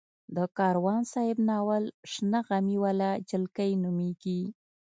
د کاروان صاحب ناول شنه غمي واله جلکۍ نومېږي.